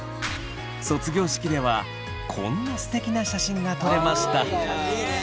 卒業式ではこんなすてきな写真が撮れました。